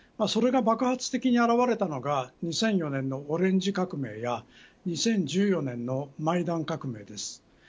それが爆発的に表れたのが２００４年のオレンジ革命や２０１４年のマイダン革命です。